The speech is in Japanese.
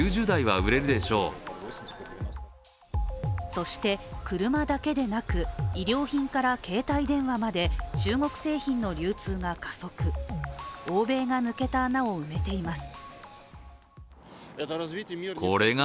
そして車だけでなく医療品から携帯電話まで中国製品の流通が加速、欧米の穴を埋めています。